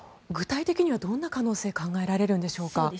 具体的にはどんな可能性が考えられるのでしょうか。